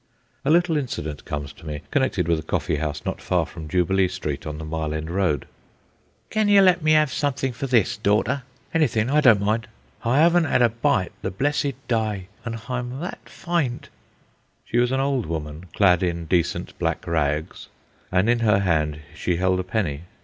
A little incident comes to me, connected with a coffee house not far from Jubilee Street on the Mile End Road. "Cawn yer let me 'ave somethin' for this, daughter? Anythin', Hi don't mind. Hi 'aven't 'ad a bite the blessed dy, an' Hi'm that fynt ..." She was an old woman, clad in decent black rags, and in her hand she held a penny.